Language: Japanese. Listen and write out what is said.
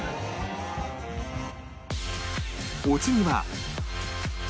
お次は